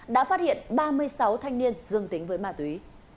đã phát hiện ba mươi sáu thanh niên dương tính với ma túy